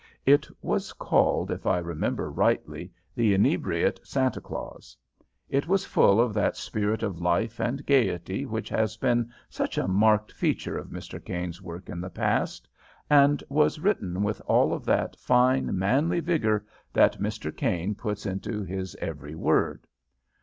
It was called, if I remember rightly, "The Inebriate Santa Claus." It was full of that spirit of life and gayety which has been such a marked feature of Mr. Caine's work in the past, and was written with all of that fine, manly vigor that Mr. Caine puts into his every word.